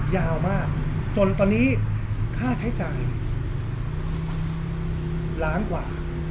ยาวมากจนตอนนี้ค่าใช้จ่ายล้านกว่า